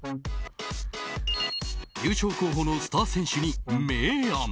優勝候補のスター選手に明暗。